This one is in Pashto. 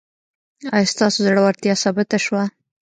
ایا ستاسو زړورتیا ثابته شوه؟